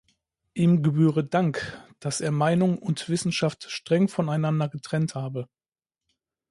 Ihm gebühre Dank, dass er Meinung und Wissenschaft streng von einander getrennt habe.